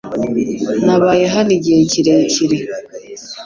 Nabaye hano igihe kirekire .